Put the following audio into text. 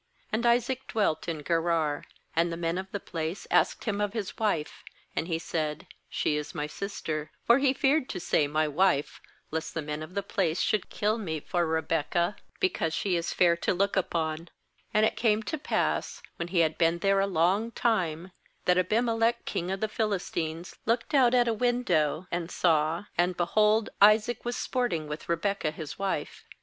6And Isaac dwelt in Gerar. 7And the men of the place asked him of Ms wife; and he said: 'She is my sister'; for he feared to say: 'My wife'; 'lest *.Wi iit/ JLlsCUt/U. UV OCUJf • t V Lj TViXC , J.txOl/ the men of the place should kill me for Rebekah, because she is fair to look upon.' 8And it came to pass, when he had been there a long time, that Abimelech king of the Philis ft That is, Red. tines looked out at a window, and saw, and, behold, Isaac was sport ing with Rebekah Ms wife.